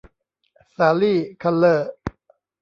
สาลี่ คัลเล่อร์